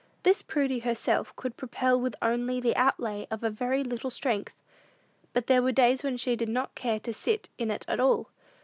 This Prudy herself could propel with only the outlay of a very little strength; but there were days when she did not care to sit in it at all.